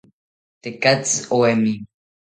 Tekatzi oemi